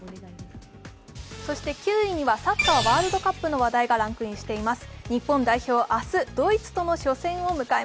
そして９位にはサッカーワールドカップの話題がランクインしています。